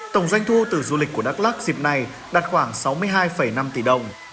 tổng doanh thu từ du lịch của đắk lắc dịp này đạt khoảng sáu mươi hai năm tỷ đồng